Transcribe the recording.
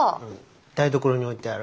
台所に置いてある。